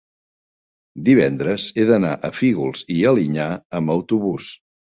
divendres he d'anar a Fígols i Alinyà amb autobús.